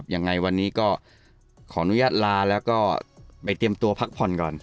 ยังไงวันนี้ก็ขออนุญาตลาแล้วก็ไปเตรียมตัวพักผ่อนก่อน